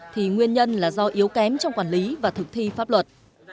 thì nguyên nhân là do yếu kém trong quản lý và thực thi pháp luật